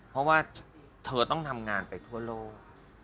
เพราะว่าเธอต้องทำงานไปทั่วโลก